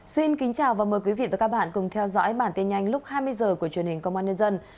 xin kính chào và mời quý vị và các bạn cùng theo dõi bản tin nhanh lúc hai mươi h của truyền hình công an nhân dân